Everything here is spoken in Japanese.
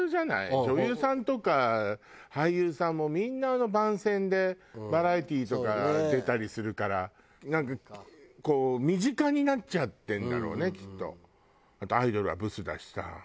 女優さんとか俳優さんもみんな番宣でバラエティーとか出たりするからなんかこう身近になっちゃってるんだろうねきっと。